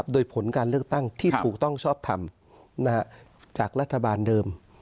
โดยผลการเลือกตั้งที่ถูกต้องชอบทำจากรัฐบาลเดิม